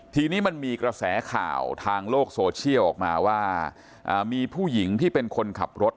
ทีนี้มันมีกระแสข่าวทางโลกโซเชียลออกมาว่ามีผู้หญิงที่เป็นคนขับรถ